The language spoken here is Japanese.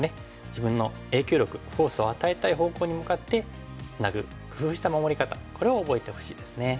自分の影響力フォースを与えたい方向に向かってツナぐ工夫した守り方これを覚えてほしいですね。